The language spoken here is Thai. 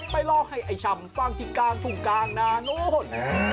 รอให้ไอ้ชำฟังที่กลางทุ่งกลางนานู้น